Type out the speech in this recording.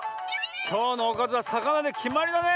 きょうのおかずはさかなできまりだね。